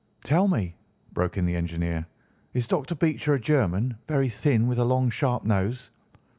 "Tell me," broke in the engineer, "is Dr. Becher a German, very thin, with a long, sharp nose?"